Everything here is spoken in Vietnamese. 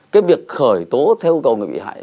cái việc khởi tố theo cầu người bị hại